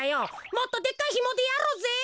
もっとでっかいひもでやろうぜ！